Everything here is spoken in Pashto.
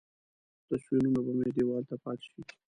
تصویرونه به مې دیوال ته پاتې شي.